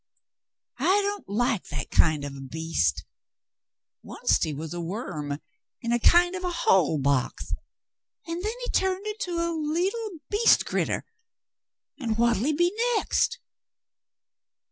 "I don't like that kind of a beast. Oncet he was a worm in a kind of a hole box, an' then he turned into a leetle beast crittah ; an' what'll he be next